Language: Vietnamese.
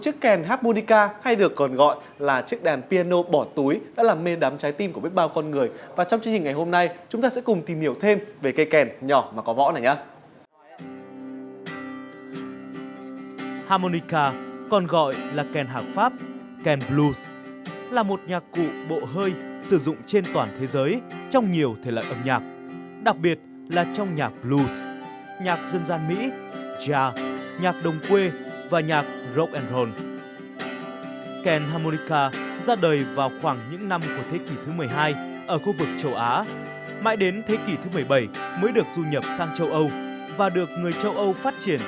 chiếc kèn harmonica hay được gọi là harmonica com đừng quên nhấn vô cùng chúc đại hình hãy subscribe và đăng ký kênh để nhận thêm nhiều video mới nhé xin chào và hẹn gặp lại